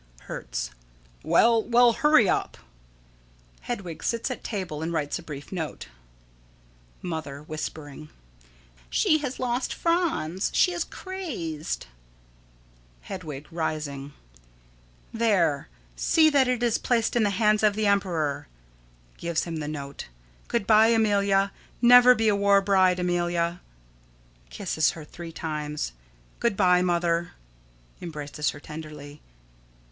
Hertz: Well, well, hurry up! [Hedwig sits at table and writes a brief note.] Mother: [Whispering.] She has lost Franz. She is crazed. Hedwig: [Rising.] There. See that it is placed in the hands of the emperor. [Gives him the note.] Good by, Amelia! Never be a war bride, Amelia. [Kisses her three times,] Good by, Mother. [_Embraces her tenderly.